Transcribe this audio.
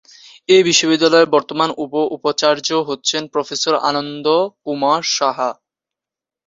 এ বিশ্ববিদ্যালয়ের বর্তমান উপ-উপাচার্য হচ্ছেন প্রফেসর আনন্দ কুমার সাহা।